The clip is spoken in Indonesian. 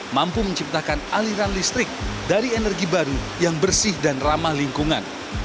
mampu menciptakan aliran listrik dari energi baru yang bersih dan ramah lingkungan